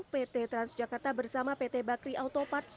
pt transjakarta bersama pt bakri autoparts